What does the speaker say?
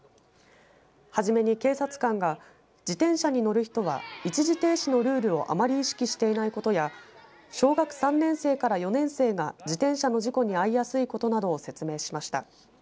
はじめに警察官が自転車に乗る人は一時停止のルールをあまり意識していないことや小学３年生から４年生が自転車の事故に遭いやすいことなどを説明しました。